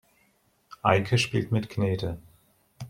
Eike spielt mit Knete.